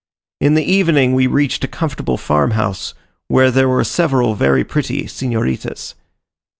In the evening we reached a comfortable farm house, where there were several very pretty senoritas.